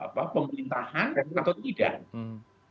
jadi apakah penambahan itu bisa diperlukan